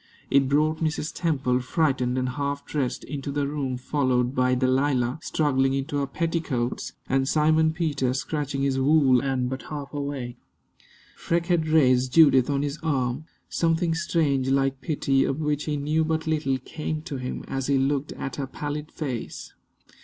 It brought Mrs. Temple, frightened and half dressed, into the room, followed by Delilah, struggling into her petticoats, and Simon Peter, scratching his wool and but half awake. Freke had raised Judith on his arm. Something strange, like pity, of which he knew but little, came to him as he looked at her pallid face.